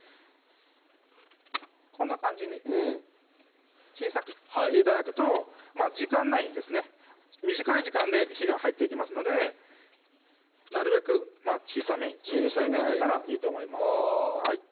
こんな感じに小さくして頂くと時間内にですね短い時間で火が入っていきますのでなるべく小さめにして頂いたらいいと思います